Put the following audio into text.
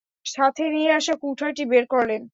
সাথে নিয়ে আসা কুঠারটি বের করলেন।